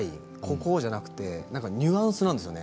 こうじゃなくて、ニュアンスなんですよね。